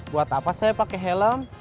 buat apa saya pakai helm